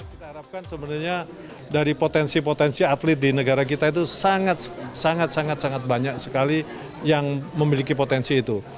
kita harapkan sebenarnya dari potensi potensi atlet di negara kita itu sangat sangat banyak sekali yang memiliki potensi itu